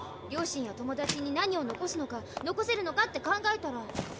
両親や友達に何を残すのか残せるのかって考えたら。